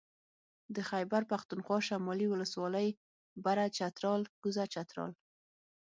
د خېبر پښتونخوا شمالي ولسوالۍ بره چترال کوزه چترال